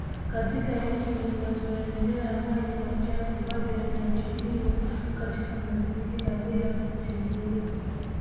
Katika nchi zinazoendelea maji machafu bado yanaachiliwa katika mazingira bila kutibiwa